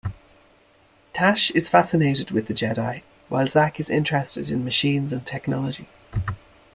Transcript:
Tash is fascinated with the Jedi, while Zak is interested in machines and technology.